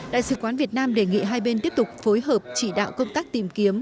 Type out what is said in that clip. đại sứ quán việt nam đề nghị hai bên tiếp tục phối hợp chỉ đạo công tác tìm kiếm